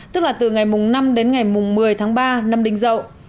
tức là từ ngày năm đến ngày một mươi tháng ba năm đinh dậu